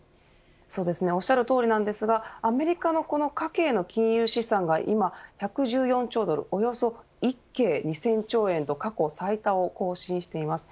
おっしゃるとおりですがアメリカの家計の金融資産が今１１４兆ドルおよそ１京２０００兆円と過去最多を更新しています。